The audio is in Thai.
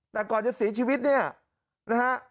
แต่ก่อนจะเสียชีวิตเนี่ยนะฮะ